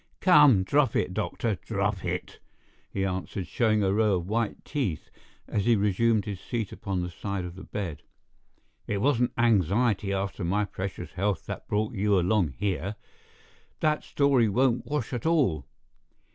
"Come, drop it, doctor—drop it!" he answered, showing a row of white teeth as he resumed his seat upon the side of the bed. "It wasn't anxiety after my precious health that brought you along here; that story won't wash at all.